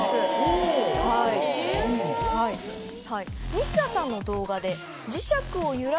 ニシダさんの動画で。